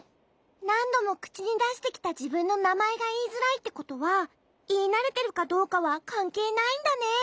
なんどもくちにだしてきたじぶんのなまえがいいづらいってことはいいなれてるかどうかはかんけいないんだねえ。